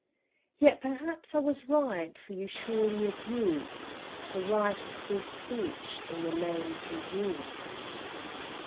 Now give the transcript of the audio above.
(Yet, perhaps I was right, for you surely abused The right of free speech in the names you used!)